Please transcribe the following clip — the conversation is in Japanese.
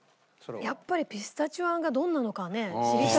やっぱりピスタチオあんがどんなのかね知りたい。